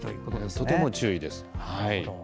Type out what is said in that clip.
とても注意です。